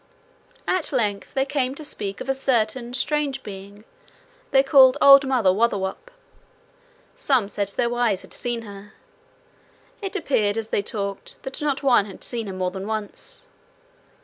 At length they came to speak of a certain strange being they called Old Mother Wotherwop. Some said their wives had seen her. It appeared as they talked that not one had seen her more than once.